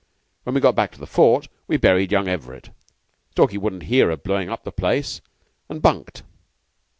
When we got back to the fort, we buried young Everett Stalky wouldn't hear of blowin' up the place and bunked.